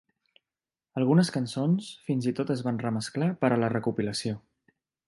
Algunes cançons fins i tot es van remesclar per a la recopilació.